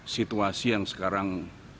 situasi yang sekarang